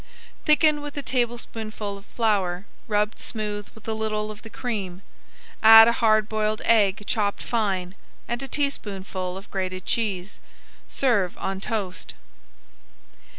Thicken with a tablespoonful of flour rubbed smooth with a little of the cream. Add a hard boiled egg chopped fine, and a teaspoonful of grated cheese. Serve on toast.